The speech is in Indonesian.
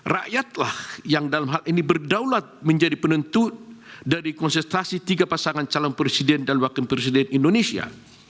rakyatlah yang dalam hal ini berdaulat menjadi penentu dari konsentrasi tiga pasangan calon presiden dan wakil presiden indonesia